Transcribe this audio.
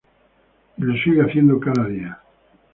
Y lo sigue haciendo cada día.